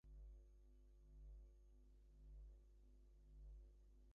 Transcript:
One discussed the topic agenda manipulation.